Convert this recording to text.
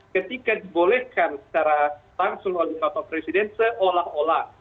ketika dibolehkan secara langsung oleh bapak presiden seolah olah